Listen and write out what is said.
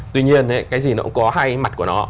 tuy nhiên cái gì nó cũng có hai mặt của nó